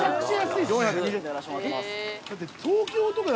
４２０円でやらせてもらってます